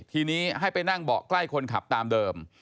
ทีนี้ให้ไปนั่งเบาะใกล้คนขับตามเดิม